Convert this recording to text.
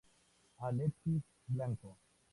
Alexis Blanco